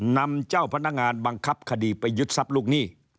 นำเจ้าพนักงานบังคับคดีไปยึดทรัพย์ลูกหนี้